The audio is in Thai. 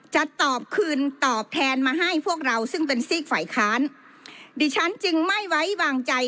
จะตอบคืนตอบแทนมาให้พวกเราซึ่งเป็นซีกฝ่ายค้านดิฉันจึงไม่ไว้วางใจ